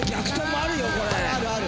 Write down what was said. あるある。